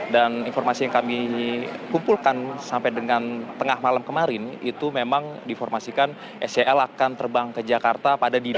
dan informasi yang kami kumpulkan sampai dengan tengah malam kemarin itu memang di formasikan scl akan terbang ke jakarta pada dini hari